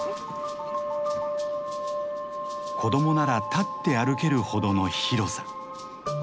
子供なら立って歩けるほどの広さ。